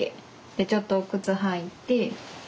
ちょっとお靴履いて。